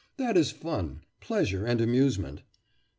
That is fun pleasure and amusement.